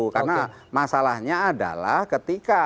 karena masalahnya adalah ketika